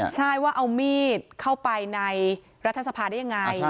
ใช่ว่าเอามีดเข้าไปในรัฐสภาได้ยังไง